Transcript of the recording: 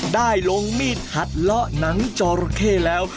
ได้ลงมีดหัดเลาะหนังจอระเข้แล้ว